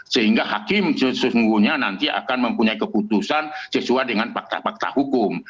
sehingga hakim sesungguhnya nanti akan mempunyai keputusan sesuai dengan fakta fakta hukum